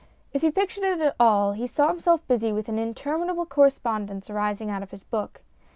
... If he pictured it at all, he saw himself busy with an interminable correspondence arising out of his book.